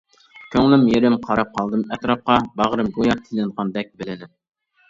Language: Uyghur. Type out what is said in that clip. كۆڭلۈم يېرىم قاراپ قالدىم ئەتراپقا، باغرىم گويا تىلىنغاندەك بىلىنىپ.